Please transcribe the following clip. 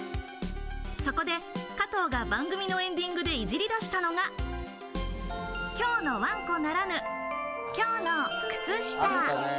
そこで加藤が番組のエンディングでいじりだしたのが、今日のワンコならぬ、「きょうのくつした」。